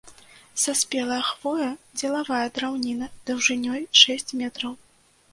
Саспелая хвоя, дзелавая драўніна даўжынёй шэсць метраў.